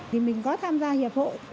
thì mình có tham gia hiệp hội